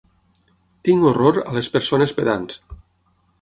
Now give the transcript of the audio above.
Tinc horror a les persones pedants.